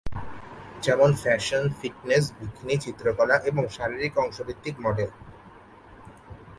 যেমন: fashion, fitness, bikini, চিত্রকলা, এবং শারীরিক অংশ ভিত্তিক মডেল।